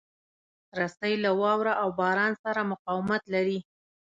رسۍ له واوره او باران سره مقاومت لري.